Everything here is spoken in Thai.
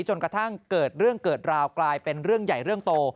จนกระทั่งเกิดเรื่องเกิดราวกลายเป็นเรื่องใหญ่เรื่องโต